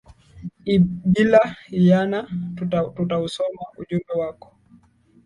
i bila hiyana tutausoma ujumbe wako